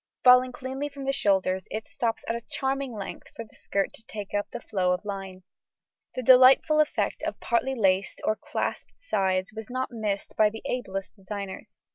Falling cleanly from the shoulders, it stops at a charming length for the skirt to take up the flow of line. The delightful effect of partly laced or clasped sides was not missed by the ablest designers.